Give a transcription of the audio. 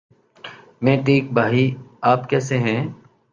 میں ٹھیک بھائی آپ کیسے ہیں؟